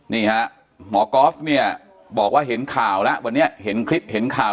นี่ฮะหมอก๊อฟเนี่ยบอกว่าเห็นข่าวแล้ววันนี้เห็นคลิปเห็นข่าว